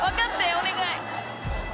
お願い。